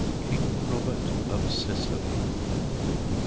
KING ROBERT OF SICILY.